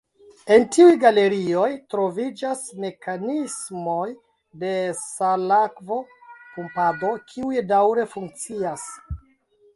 En tiuj galerioj, troviĝas mekanismoj de salakvo-pumpado, kiuj daŭre funkcias.